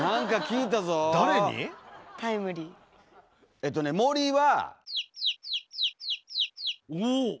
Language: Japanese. えっとね森はおお！